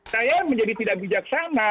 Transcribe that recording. saya menjadi tidak bijaksana